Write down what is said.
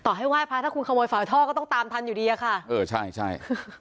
ให้ไหว้พระถ้าคุณขโมยฝาท่อก็ต้องตามทันอยู่ดีอะค่ะเออใช่ใช่